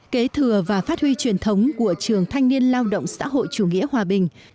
kế thừa và phát huy truyền thống của trường thanh niên lao động xã hội chủ nghĩa hòa bình